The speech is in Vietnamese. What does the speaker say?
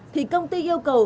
thì công ty yêu cầu